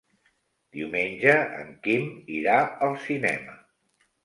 Diumenge en Quim irà al cinema.